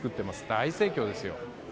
大盛況ですよ。